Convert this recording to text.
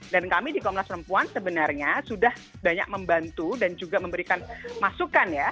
dan kami di komnas perempuan sebenarnya sudah banyak membantu dan juga memberikan masukan ya